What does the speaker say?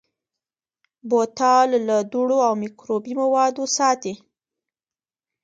بوتل له دوړو او مکروبي موادو ساتي.